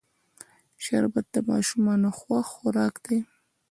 شربت د ماشومانو خوښ خوراک دی